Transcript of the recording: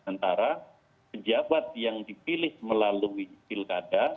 antara pejabat yang dipilih melalui pilkada